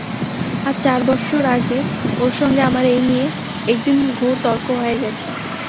আজ চার বৎসর আগে ওর সঙ্গে আমার এই নিয়ে একদিন ঘোর তর্ক হয়ে গেছে।